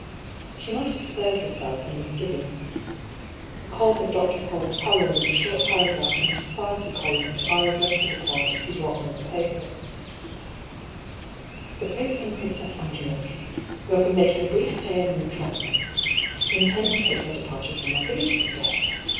She might have spared herself her misgivings. The cause of Dr. PauU's pallor was a short paragraph in a society column his eyes rested upon as he brought her the papers :" The Prince and Princess Andriocchi, who have been making a brief stay in the Metropolis, intend to take their departure for Madrid to day.